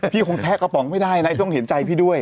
พี่คงแทะกระป๋องไม่ได้นะต้องเห็นใจพี่ด้วย